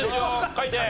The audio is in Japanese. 書いて。